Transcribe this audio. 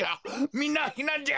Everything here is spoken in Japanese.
みんなひなんじゃ！